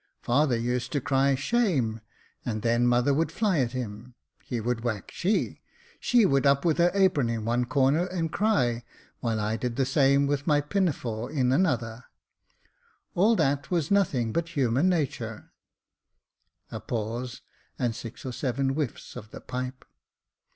Father used to cry shame, and then mother would fly at him : he would whack she ; she would up with her apron in one corner and cry, while I did the same with my pinbefore in another : all that was nothing but human natur." [A pause, and six or seven whiffs of the pipe.